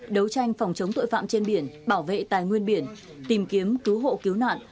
đấu tranh phòng chống tội phạm trên biển bảo vệ tài nguyên biển tìm kiếm cứu hộ cứu nạn